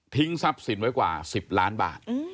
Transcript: ทรัพย์สินไว้กว่า๑๐ล้านบาท